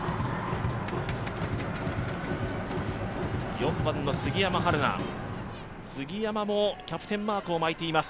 ４番の杉山遥菜もキャプテンマークを巻いています。